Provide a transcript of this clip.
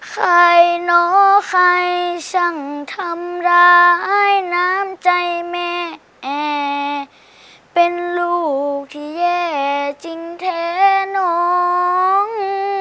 ใครเนาะใครช่างทำร้ายน้ำใจแม่แอเป็นลูกที่แย่จริงแท้น้อง